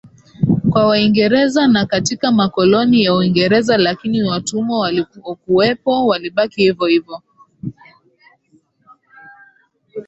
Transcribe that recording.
kwa Waingereza na katika makoloni ya Uingereza lakini watumwa waliokuwepo walibaki hivohivo